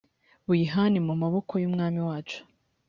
buyihane mu maboko y umwami wacu